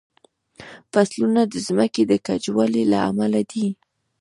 فصلونه د ځمکې د کجوالي له امله دي.